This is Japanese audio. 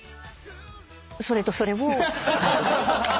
それとそれを。